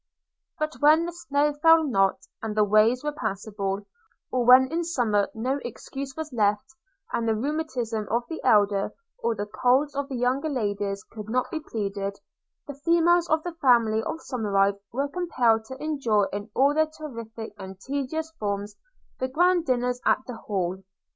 But when the snow fell not, and the ways were passable; or when in summer no excuse was left, and the rheumatism of the elder, or the colds of the younger ladies could not be pleaded; the females of the family of Somerive were compelled to endure in all their terrific and tedious forms the grand dinners at the Hall.